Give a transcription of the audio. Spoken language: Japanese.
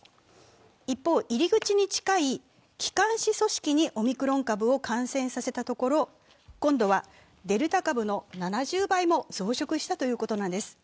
一方、入り口に近い気管支組織にオミクロン株を感染させたところ今度はデルタ株の７０倍も増殖したということなんです。